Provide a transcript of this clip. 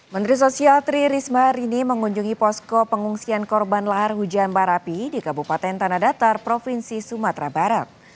menteri sosial tri risma hari ini mengunjungi posko pengungsian korban lahar hujan barapi di kabupaten tanah datar provinsi sumatera barat